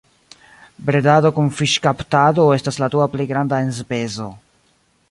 Bredado kun fiŝkaptado estas la dua plej granda enspezo.